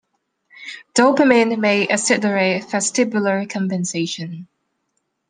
Dopamine may accelerate vestibular compensation.